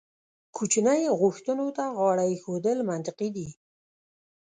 کوچنۍ غوښتنو ته غاړه ایښودل منطقي دي.